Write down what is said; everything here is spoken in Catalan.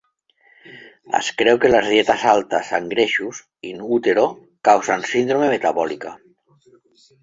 Es creu que les dietes altes en greixos "in utero" causen síndrome metabòlica.